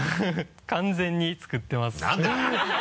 完全に作ってます。